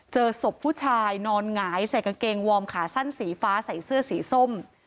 เจอศพผู้ชายนอนหงายใส่กางเกงวอร์มขาสั้นสีฟ้าใส่เสื้อสีส้ม